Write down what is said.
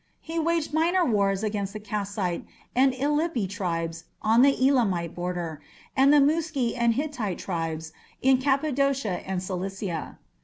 He waged minor wars against the Kassite and Illipi tribes on the Elamite border, and the Muski and Hittite tribes in Cappadocia and Cilicia.